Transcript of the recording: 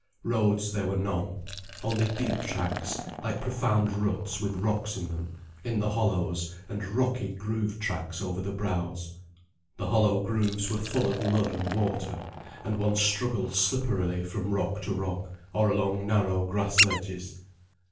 Roads there were none: only deep tracks, like profound ruts with rocks in them, in the hollows, and rocky, grooved tracks over the brows. The hollow grooves were full of mud and water, and one struggled slipperily from rock to rock, or along narrow grass ledges.